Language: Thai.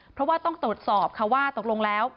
เพราะว่าต้องตรวจสอบค่ะว่าตกลงแล้ว